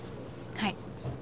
はい。